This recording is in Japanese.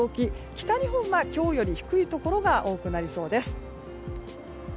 北日本は今日より低いところが多くなりそうです。